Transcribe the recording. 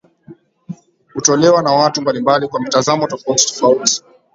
hutolewa na watu mbalimbali kwa mitazamo tofautitofauti